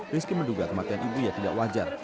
rizky menduga kematian ibu ya tidak wajar